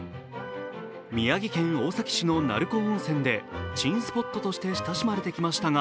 宮城県大崎市の鳴子温泉で珍スポットとして親しまれてきましたが